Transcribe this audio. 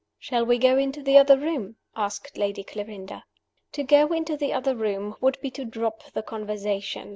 "Shall we go into the other room?" asked Lady Clarinda. To go into the other room would be to drop the conversation.